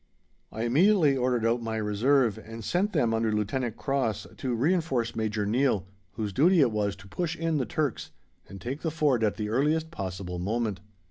I immediately ordered out my reserve, and sent them under Lieutenant Cross to reinforce Major Neill, whose duty it was to push in the Turks and take the Ford at the earliest possible moment.